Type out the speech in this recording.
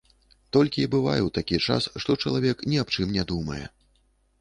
Толькі і бывае ў такі час, што чалавек ні аб чым не думае.